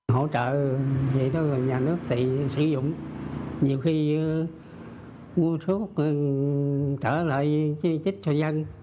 hỗ trợ nhà nước thì sử dụng nhiều khi mua thuốc trở lại chích cho dân